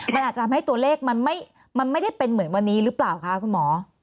มันอาจจะทำให้ตัวเลขมันไม่ได้เป็นเหมือนวันนี้หรือเปล่าคะคุณหมอ